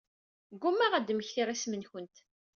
Ggummaɣ ad mmektiɣ isem-nkent.